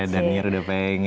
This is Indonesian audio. danir udah pengen ya